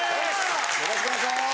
よろしくお願いします！